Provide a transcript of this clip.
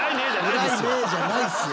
「えらいねぇ」じゃないっすよ！